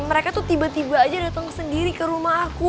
mereka tuh tiba tiba aja datang sendiri ke rumah aku